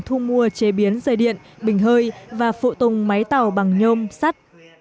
thu mua chế biến dây điện bình hơi và phụ tùng máy tàu bằng nhôm sắt